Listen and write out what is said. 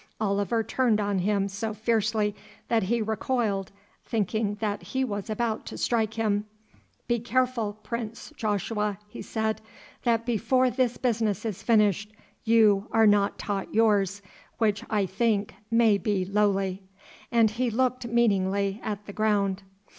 Oliver turned on him so fiercely that he recoiled, thinking that he was about to strike him. "Be careful, Prince Joshua," he said, "that before this business is finished you are not taught yours, which I think may be lowly," and he looked meaningly at the ground.